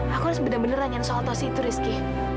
aku harus bener bener nganyain soal tosi itu rizky